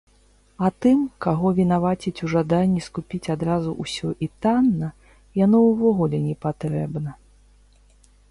А тым, каго вінавацяць у жаданні скупіць адразу ўсё і танна, яно ўвогуле непатрэбна.